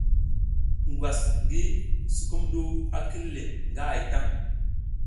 Ngwas ngi sukumɗu a kil le nga hay tan.